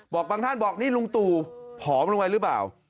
บางท่านบอกนี่ลุงตู่ผอมลงไปหรือเปล่า